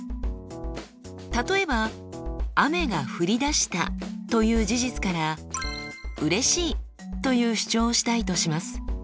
例えば「雨が降り出した」という事実から「うれしい」という主張をしたいとします。